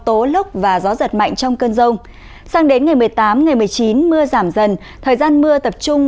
tố lốc và gió giật mạnh trong cơn rông sang đến ngày một mươi tám ngày một mươi chín mưa giảm dần thời gian mưa tập trung